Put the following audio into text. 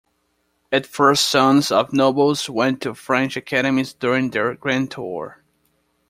At first sons of nobles went to French academies during their Grand Tour.